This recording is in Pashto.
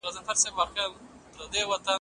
زه د هغوی پام تجربو ته اړوم.